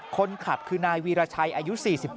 คนขับคือนายวีรชัยอายุ๔๗